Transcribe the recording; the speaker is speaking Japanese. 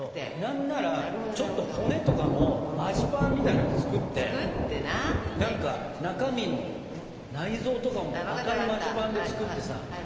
何ならちょっと骨とかもマジパンみたいなので作って何か中身の内臓とかも赤いマジパンで作ってさ。